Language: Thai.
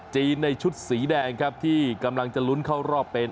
ในชุดสีแดงครับที่กำลังจะลุ้นเข้ารอบเป็น